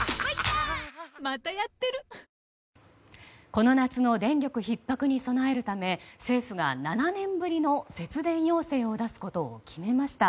この夏の電力ひっ迫に備えるため政府が７年ぶりの節電要請を出すことを決めました。